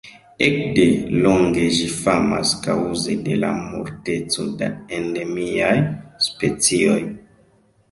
Ekde longe ĝi famas kaŭze de la multeco da endemiaj specioj.